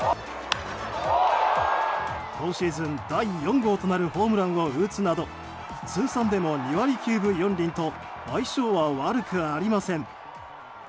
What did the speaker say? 今シーズン第４号となるホームランを打つなど通算でも２割９分４厘と相性は悪くありません。